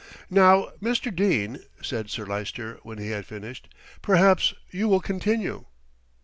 "Now, Mr. Dene," said Sir Lyster when he had finished, "perhaps you will continue."